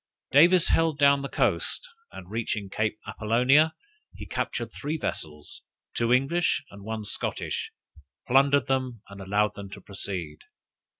Davis held down the coast, and reaching Cape Appolonia he captured three vessels, two English and one Scottish, plundered them, and allowed them to proceed.